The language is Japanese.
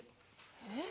えっ？